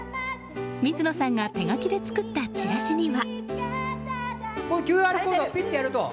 水野さんが手書きで作ったチラシには。